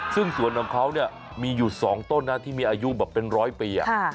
ซึ่งสวนของเขาเนี่ยมีอยู่๒ต้นนะที่มีอายุแบบเป็นร้อยปี